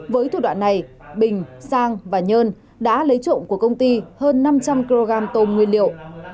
với thủ đoạn này bình sang và nhơn đã lấy trộm của công ty hơn năm trăm linh kg tôm nguyên liệu